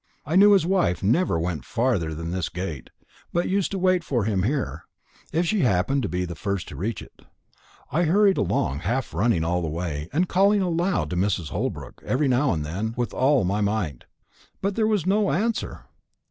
I knew his wife never went farther than this gate, but used to wait for him here, if she happened to be the first to reach it. I hurried along, half running all the way, and calling aloud to Mrs. Holbrook every now and then with all my might. But there was no answer.